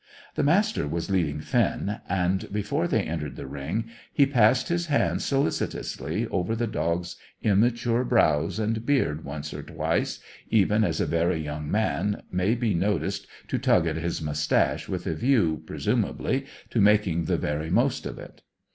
The Master was leading Finn, and, before they entered the ring, he passed his hand solicitously over the dog's immature brows and beard once or twice, even as a very young man may be noticed to tug at his moustache with a view, presumably, to making the very most of it.